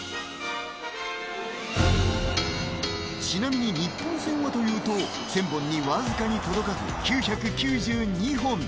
ちなみに日本戦はというと１０００本にわずかに届かず９９２本。